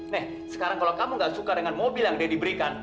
nih sekarang kalau kamu gak suka dengan mobil yang dia diberikan